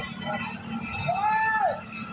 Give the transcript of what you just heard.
ฟ้า